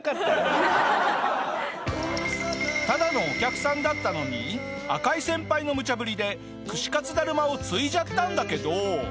ただのお客さんだったのに赤井先輩のむちゃぶりで串かつだるまを継いじゃったんだけど。